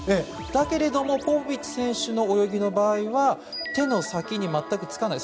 だけれどもポポビッチ選手の泳ぎの時には手の先に全くつかない。